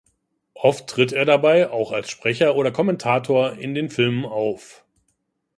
Oft tritt er dabei auch als Sprecher oder Kommentator in den Filmen auf.